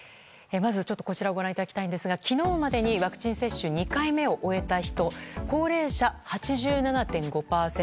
まずこちらをご覧いただきたいんですが昨日までにワクチン接種２回目を終えた人高齢者、８７．５％。